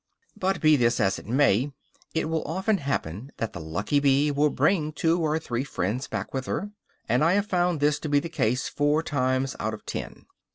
But, be this as it may, it will often happen that the lucky bee will bring two or three friends back with her; and I have found this to be the case four times out of ten.